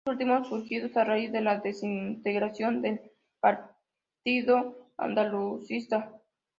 Estos últimos, surgidos a raíz de la desintegración del Partido Andalucista.